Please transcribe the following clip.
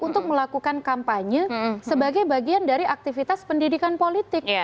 untuk melakukan kampanye sebagai bagian dari aktivitas pendidikan politik